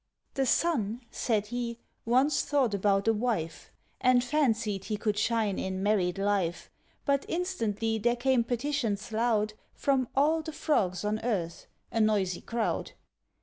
"The Sun," said he, "once thought about a wife, And fancied he could shine in married life; But instantly there came petitions loud From all the Frogs on earth a noisy crowd.